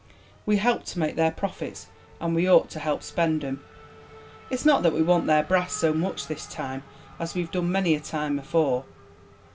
We help to make their profits, and we ought to help spend 'em. It's not that we want their brass so much this time, as we've done many a time afore.